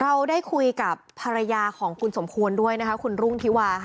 เราได้คุยกับภรรยาของคุณสมควรด้วยนะคะคุณรุ่งธิวาค่ะ